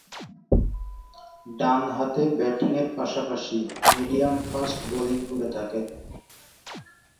ডানহাতে ব্যাটিংয়ের পাশাপাশি মিডিয়াম ফাস্ট বোলিং করে থাকেন।